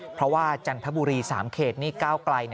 เพราะว่าจันทบุรี๓เขตนี่ก้าวไกล